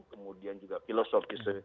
kemudian juga filosofi